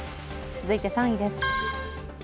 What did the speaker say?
続いて３位で。